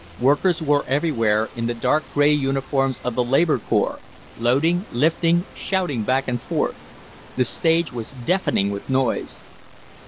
Workers were everywhere, in the dark gray uniforms of the labor corps, loading, lifting, shouting back and forth. The stage was deafening with noise.